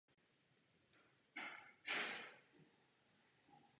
Výpočty přesných rozměrů však komplikuje její rychlá rotace.